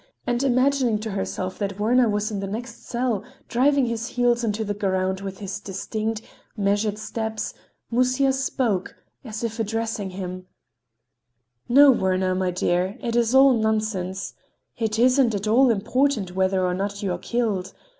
And imagining to herself that Werner was in the next cell, driving his heels into the ground with his distinct, measured steps, Musya spoke, as if addressing him: "No, Werner, my dear; it is all nonsense; it isn't at all important whether or not you are killed.